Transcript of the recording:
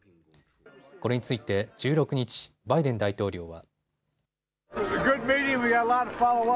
これについて１６日、バイデン大統領は。